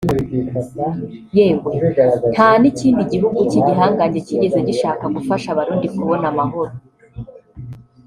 yewe nta n’ikindi gihugu cy’igihangange kigeze gishaka gufasha Abarundi kubona amahoro